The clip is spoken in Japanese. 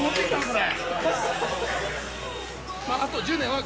これ。